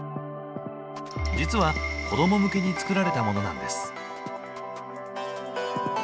実は子ども向けに作られたものなんです。